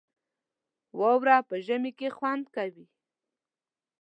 واوره په ژمي کې خوند کوي